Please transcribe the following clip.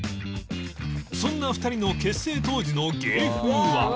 そんな２人の結成当時の芸風は